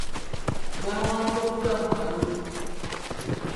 Baawanguddwa mu kalulu.